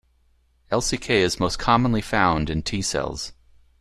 Lck is most commonly found in T cells.